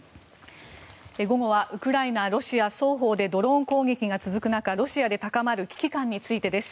午後はウクライナ、ロシア双方でドローン攻撃が続く中ロシアで高まる危機感についてです。